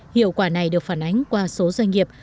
hiệu quả này được phản ánh qua số doanh nghiệp